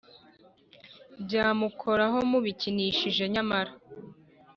Byamukoraho mubikinishije nyamara